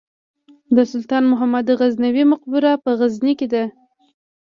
د سلطان محمود غزنوي مقبره په غزني کې ده